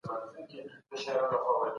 د کندهار صنعت کي د پرمختګ کچه څنګه لوړیږي؟